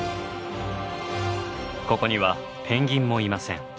ここにはペンギンもいません。